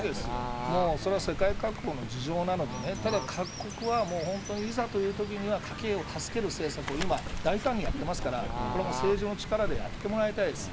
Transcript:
もうそれは世界各国の事情なのでね、ただ各国はもう本当にいざというときには、家計を助ける政策を今、大胆にやってますから、これ政治の力でやってもらいたいです。